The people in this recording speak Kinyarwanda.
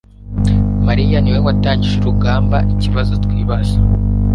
mariya niwe watangije urugamba ikibazo twibaza